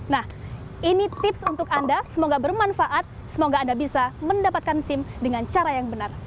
nah ini tips untuk anda semoga bermanfaat semoga anda bisa mendapatkan sim dengan cara yang benar